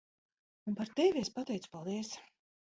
Un par tevi es pateicu paldies.